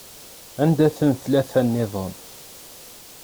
Anda-tent tlata-nniḍen?